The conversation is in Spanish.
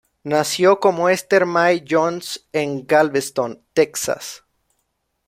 Nació como Esther Mae Jones en Galveston, Texas.